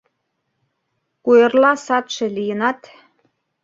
Куэрла садше лийынат